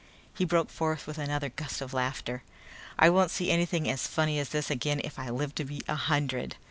He broke forth with another gust of laughter. "I won't see anything as funny as this again if I live to be a hundred!"